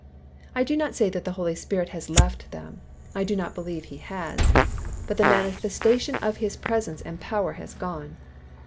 I do not say that the Holy Spirit has left them—I do not believe He has—but the manifestation of His presence and power has gone.